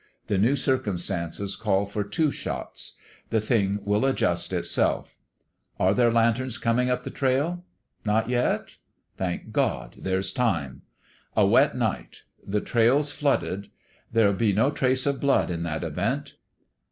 The new circumstances call for two shots. The thing will ad just itself. ... Are there lanterns coming up the trail ? Not yet ? Thank God, there's time !... A wet night. The trail's flooded. There'd be no trace of blood in that event.